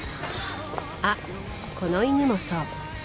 あっこの犬もそう